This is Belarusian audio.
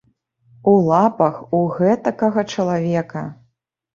У лапах у гэтакага чалавека!